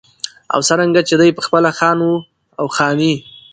او څرنګه چې دى پخپله خان و او خاني